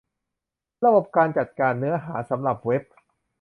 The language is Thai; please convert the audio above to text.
ระบบการจัดการเนื้อหาสำหรับเว็บ